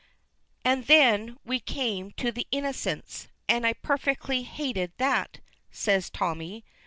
"And then we came to the Innocents, and I perfectly hated that," says Tommy.